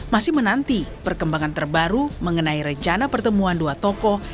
masih menanti perkembangan terbaru mengenai rencana pertemuan dua tokoh